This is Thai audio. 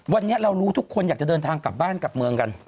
วันนี้เรารู้ทุกคนอยากจะเดินทางกลับบ้านกลับเมืองกัน